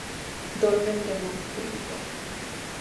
Dolmen de Montouto